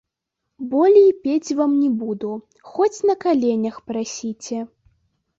Болей пець вам не буду, хоць на каленях прасіце.